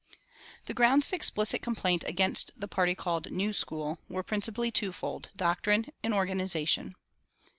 The grounds of explicit complaint against the party called "New School" were principally twofold doctrine and organization.